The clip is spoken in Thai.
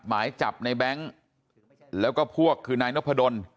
หมายจับในแบงค์แล้วก็พวกคือนายนพดล